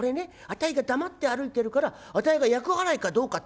あたいが黙って歩いてるからあたいが厄払いかどうかって分からねえんだ。